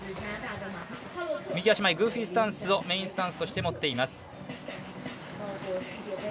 右足前、グーフィースタンスをメインスタンスとして持っています。